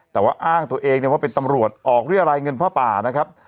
แต่ว่าอ้างตัวเองเนี่ยว่าเป็นตำรวจออกด้วยอะไรเงินพระป่านะครับ